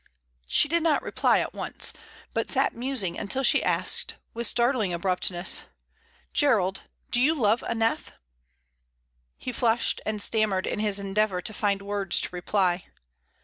She did not reply at once, but sat musing until she asked, with startling abruptness: "Gerald, do you love Aneth?" He flushed and stammered in his endeavor to find words to reply.